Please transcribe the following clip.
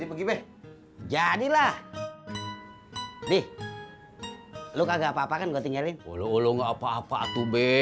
dibeb jadilah nih lu kagak apa apa kan go tinggalin lu lu nggak apa apa atuh be